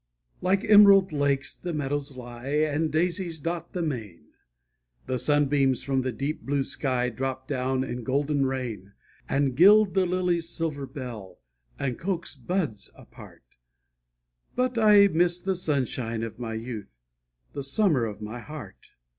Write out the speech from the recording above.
Like emerald lakes the meadows lie, And daisies dot the main; The sunbeams from the deep blue sky Drop down in golden rain, And gild the lily's silver bell, And coax buds apart, But I miss the sunshine of my youth, The summer of my heart.